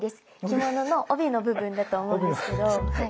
着物の帯の部分だと思うんですけど。